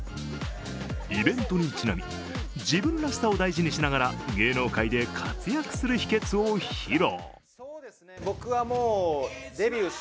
イベントにちなみ自分らしさを大事にしながら芸能界で活躍する秘けつを披露。